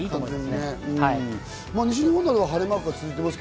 西日本などは晴れマークがついています。